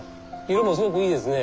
色もすごくいいですね